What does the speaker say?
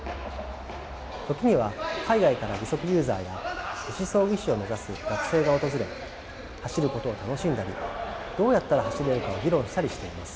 時には海外から義足ユーザーや義肢装具士を目指す学生が訪れ走ることを楽しんだりどうやったら走れるかを議論したりしています。